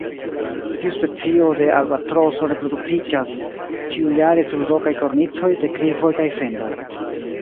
Tiu specio de albatroso reproduktiĝas ĉiujare sur rokaj kornicoj, deklivoj, kaj fendoj.